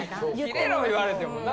キレろ言われてもな。